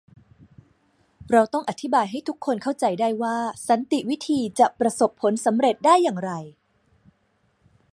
เราต้องอธิบายให้ทุกคนเข้าใจได้ว่าสันติวิธีจะประสบผลสำเร็จได้อย่างไร